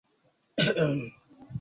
Mzee Katili alimpiga Bi Kazi.